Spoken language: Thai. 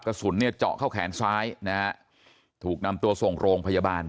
กระสุนเนี่ยเจาะเข้าแขนซ้ายนะฮะถูกนำตัวส่งโรงพยาบาล